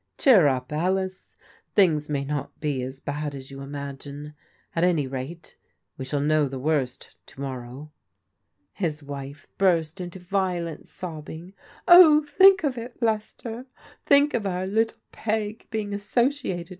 Cheer up, Alice, things may not be as bad as you imagine. At any rate, we shall know the worst to morrow." His wife burst into violent sobbing. "Oh, think of it, Lester, think of our little Peg being associ^X^A.